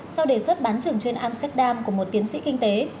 sau đề xuất bán trưởng chuyên amsterdam của một tiến sĩ kinh tế